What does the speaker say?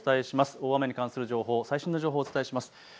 大雨に関する情報、最新の情報をお伝えします。